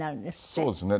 そうですね。